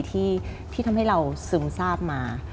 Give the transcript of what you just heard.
ที่ทำให้เราซึมทราบมา